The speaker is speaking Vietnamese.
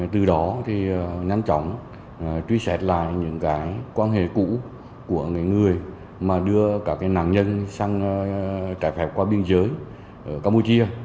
từ đó thì nhanh chóng truy xét lại những quan hệ cũ của những người mà đưa các nạn nhân sang trái phép qua biên giới campuchia